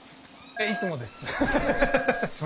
いつもです。